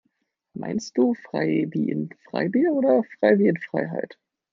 Meinst du frei wie in Freibier oder frei wie in Freiheit?